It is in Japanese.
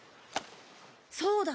そうだ